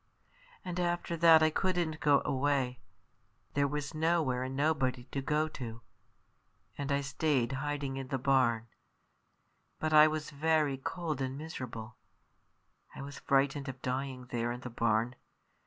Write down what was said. And after that I couldn't go away; there was nowhere and nobody to go to; and I stayed hiding in the barn. But I was very cold and miserable; I was frightened of dying there in the barn.